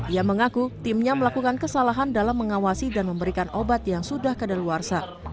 ia mengaku timnya melakukan kesalahan dalam mengawasi dan memberikan obat yang sudah kedaluarsa